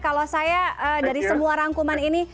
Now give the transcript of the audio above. kalau saya dari semua rangkuman ini